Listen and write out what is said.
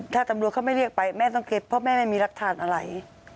ถ้าตำรวจเขาไม่เรียกไปแม่ต้องเก็บเพราะแม่ไม่มีรักฐานอะไร